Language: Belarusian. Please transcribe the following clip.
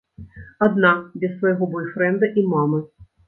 Адна, без свайго бойфрэнда і мамы.